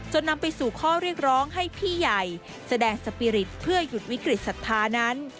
นำไปสู่ข้อเรียกร้องให้พี่ใหญ่แสดงสปีริตเพื่อหยุดวิกฤตศรัทธานั้น